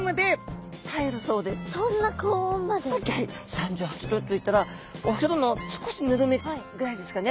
３８℃といったらお風呂の少しぬるめぐらいですかね。